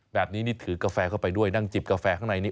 แบบนี้นี่ถือกาแฟเข้าไปด้วยนั่งจิบกาแฟข้างในนี้